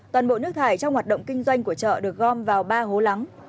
toàn bộ nước thải trong hoạt động kinh doanh của chợ được gom vào ba hố lắng